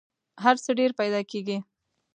هر څه ډېر پیدا کېږي .